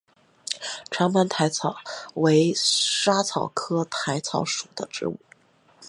长芒薹草为莎草科薹草属的植物。